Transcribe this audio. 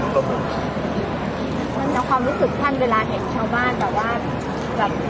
แล้วก็จะกรรมรอดทั้งหมดแล้วก็จะกรรมรอดทั้งหมด